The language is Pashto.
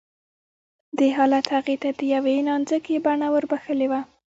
دې حالت هغې ته د يوې نانځکې بڼه وربښلې وه